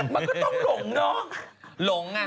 มันก็ต้องหลงเนอะหลง